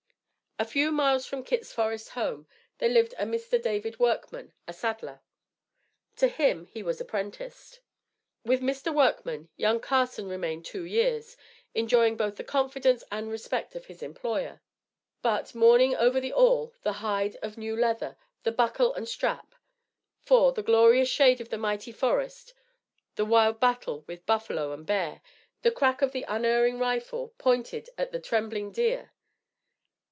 A few miles from Kit's forest home, there lived a Mr. David Workman, a saddler. To him he was apprenticed. With Mr. Workman young Carson remained two years, enjoying both the confidence and respect of his employer; but, mourning over the awl, the hide of new leather, the buckle and strap; for, the glorious shade of the mighty forest; the wild battle with buffalo and bear; the crack of the unerring rifle, pointed at the trembling deer.